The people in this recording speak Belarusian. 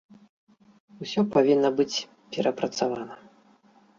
Усё павінна быць перапрацавана.